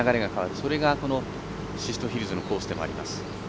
それが、この宍戸ヒルズのコースでもあります。